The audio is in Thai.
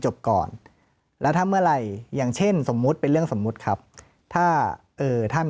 จบก่อนแล้วถ้าเมื่อไหร่อย่างเช่นสมมุติเป็นเรื่องสมมุติครับถ้าเอ่อท่าน